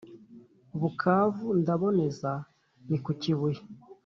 bukavu ndaboneza ni kukibuye